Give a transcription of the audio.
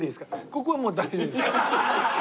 ここはもう大丈夫ですから。